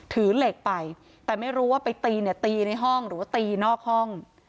ถือเหล็กไปแต่ไม่รู้ว่าไปตีเนี่ยตีในห้องหรือว่าตีนอกห้อง